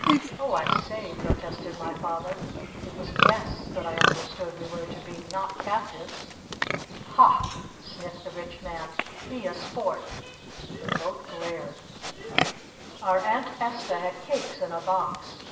"Oh, I say," protested my Father. "It was 'guests' that I understood we were to be! Not captives!" "Ha!" sniffed the Rich Man. "Be a Sport!" They both glared. Our Aunt Esta had cakes in a box.